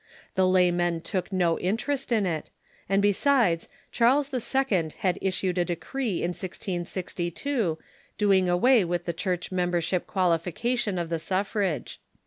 The laymen took no interest in it, and, besides, Charles II. had issued a decree in 1662 doing away with the Church member ship qualification of the suffrage.